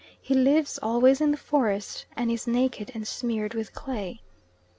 He lives always in the forest, and is naked and smeared with clay.